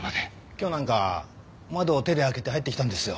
今日なんか窓を手で開けて入ってきたんですよ。